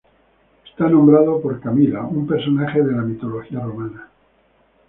Está nombrado por Camila, una personaje de la mitología romana.